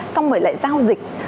xong rồi lại giao dịch